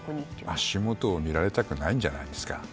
足元を見られたくないんじゃないですか。